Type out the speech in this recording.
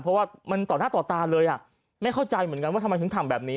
เพราะว่ามันต่อหน้าต่อตาเลยอ่ะไม่เข้าใจเหมือนกันว่าทำไมถึงทำแบบนี้